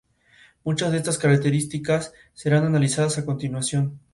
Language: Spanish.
Nació en Saint Mary, Jamaica, y se crio en August Town.